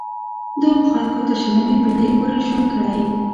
دغو خلکو تر شلمې پیړۍ پورې ژوند کړی.